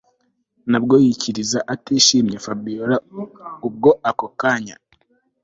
nabwo yikiriza atishimye Fabiora ubwo ako kanya